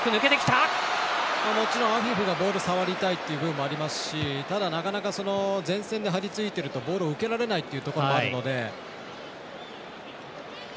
もちろんアフィフがボール触りたいっていう部分もありますしなかなか前線で張り付いているとボールを受けられないというところもあるので。